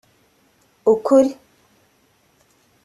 ukuri